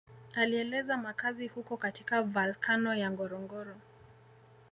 Alieleza makazi huko katika valkano ya Ngorongoro